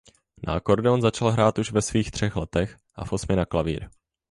Na akordeon začal hrát už ve svých třech letech a v osmi na klavír.